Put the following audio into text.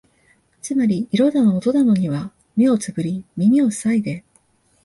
つまり色だの音だのには目をつぶり耳をふさいで、